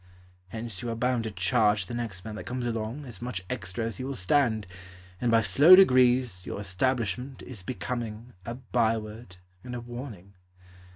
Hence You are bound to charge The next man that comes along As much extra as he will stand, And by slow degrees Your establishment Is becoming A by word And a warning.